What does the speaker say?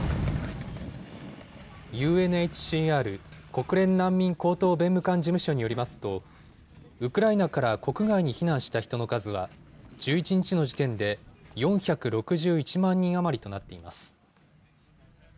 ＵＮＨＣＲ・国連難民高等弁務官事務所によりますと、ウクライナから国外に避難した人の数は、１１日の時点で４６１万人余りとなっています。